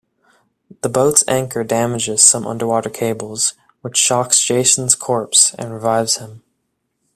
The boat's anchor damages some underwater cables, which shocks Jason's corpse and revives him.